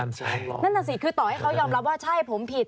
นั่นน่ะสิคือต่อให้เขายอมรับว่าใช่ผมผิด